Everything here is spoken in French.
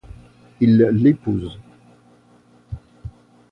Il l'épouse.